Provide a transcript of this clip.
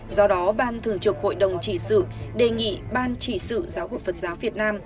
do đó ban thường trực hội đồng trị sự đề nghị ban trị sự giáo hội phật giáo việt nam